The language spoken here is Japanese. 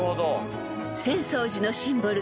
［浅草寺のシンボル